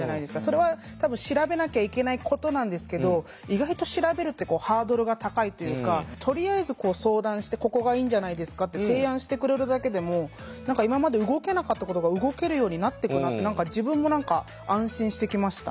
それは多分調べなきゃいけないことなんですけど意外と調べるってハードルが高いというかとりあえず相談してここがいいんじゃないですかって提案してくれるだけでも何か今まで動けなかったことが動けるようになってくなって自分も何か安心してきました。